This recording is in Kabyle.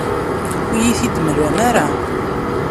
Ur iyi-t-id-temlam ara.